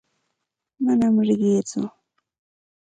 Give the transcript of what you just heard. Manam riqiitsu.